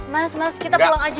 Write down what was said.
mas dengerin aku kita pulang aja